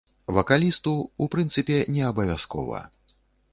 Вакалісту, у прынцыпе, неабавязкова.